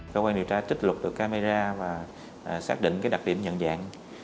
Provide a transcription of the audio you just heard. cơ quan điều tra trích lục được camera và xác định đặc điểm nhận dạng